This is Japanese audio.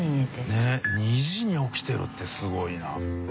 ねぇ２時に起きてるってすごいな。